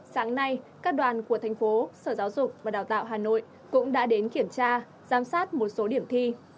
sáng nay các đoàn của thành phố sở giáo dục và đào tạo hà nội cũng đã đến kiểm tra giám sát một số điểm thi